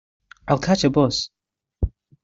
I'll catch a bus.